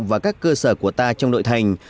và các cơ sở của ta trong nội thành